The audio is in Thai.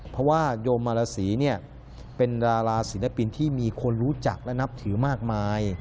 เพราะว่าโยมมารสีเนี่ยเป็นดาราศิลปินที่มีคนรู้จักและนับถือมากมาย